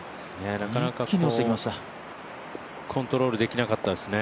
なかなか、コントロールできなかったですね